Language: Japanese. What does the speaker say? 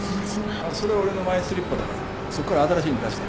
あっそれ俺のマイスリッパだからそっから新しいの出して。